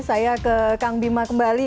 saya ke kang bima kembali